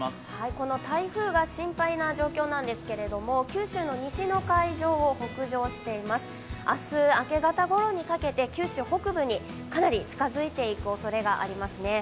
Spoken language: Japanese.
この台風が心配な状況なんですけれども、九州の西の海上を北上しています、明日、明け方ごろにかけて九州北部にかなり近づいていくおそれがありますね。